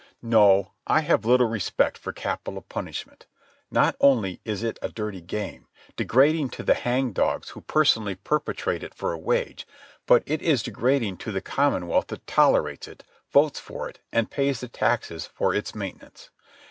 No, I have little respect for capital punishment. Not only is it a dirty game, degrading to the hang dogs who personally perpetrate it for a wage, but it is degrading to the commonwealth that tolerates it, votes for it, and pays the taxes for its maintenance.